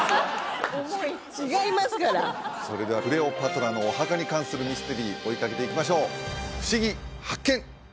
それではクレオパトラのお墓に関するミステリー追いかけていきましょうふしぎ発見！